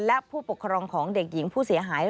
และผู้ปกครองของเด็กหญิงผู้เสียหาย